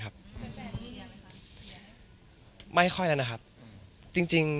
ก็มีไปคุยกับคนที่เป็นคนแต่งเพลงแนวนี้